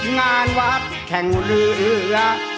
งานวัดแข่งเรือ